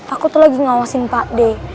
aku tuh lagi ngawasin pak d